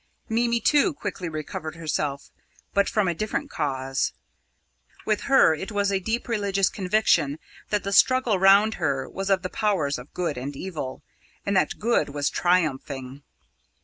Mimi too quickly recovered herself, but from a different cause. With her it was a deep religious conviction that the struggle round her was of the powers of Good and Evil, and that Good was triumphing.